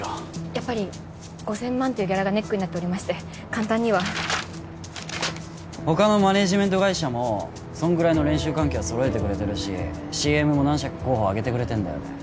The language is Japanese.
やっぱり５０００万というギャラがネックになっておりまして簡単には他のマネジメント会社もそんぐらいの練習環境はそろえてくれてるしＣＭも何社か候補挙げてくれてんだよね